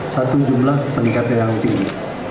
satu jumlah peningkatan yang tinggi